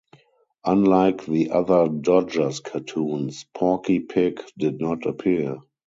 Unlike the other Dodgers cartoons, Porky Pig did not appear.